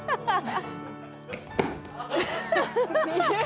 ハハハハ！